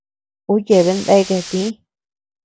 Uu yeabean deakea tïi.